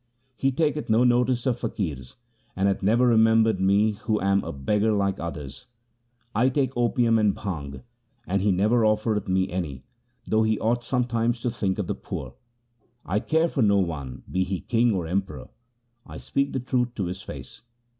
He taketh no notice of faqirs, and hath never remembered me who am a beggar like others. I take opium and bhang, and he never offereth me any, though he ought sometimes to think of the poor. I care for no one, be he king or emperor ; I speak the truth to his face.